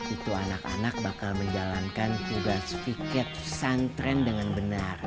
itu anak anak bakal menjalankan tugas piket santren dengan benar